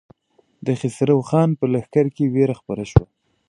د خسرو خان په لښکر کې وېره خپره شوه.